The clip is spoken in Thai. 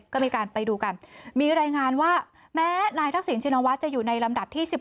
ก็มีการไปดูกันมีรายงานว่าแม้นายทักษิณชินวัฒน์จะอยู่ในลำดับที่๑๖